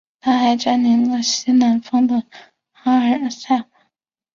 他还占领了西南方的阿尔萨瓦。